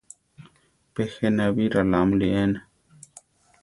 Pe jéna bi ralamuli ená.